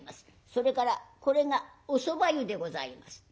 それからこれがおそば湯でございます」。